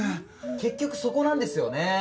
結局そこなんですよね。